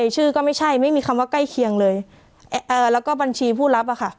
ชื่อก็ไม่ใช่ไม่มีคำว่าใกล้เคียงเลยแล้วก็บัญชีผู้รับอะค่ะ